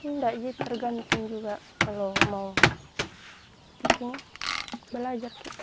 nggak sih tergantung juga kalau mau bikin belajar